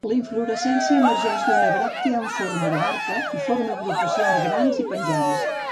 La inflorescència emergeix d'una bràctea en forma de barca i forma agrupacions grans i penjants.